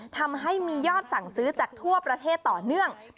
ทำให้มียอดสั่งซื้อจากทั่วประเทศต่อเนื่อง